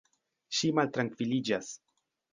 Ŝi maltrankviliĝas.